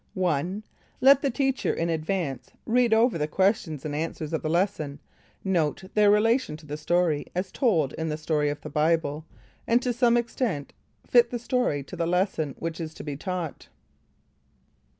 1. Let the teacher in advance read over the questions and answers of the lesson, note their relation to the story as told in "The Story of the Bible," and to some extent fit the story to the lesson which is to be taught.